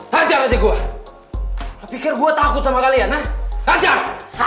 hajar aja gue lo pikir gue takut sama kalian hajar